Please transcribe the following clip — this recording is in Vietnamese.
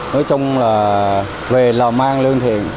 nói chung là về lò mang lương thiện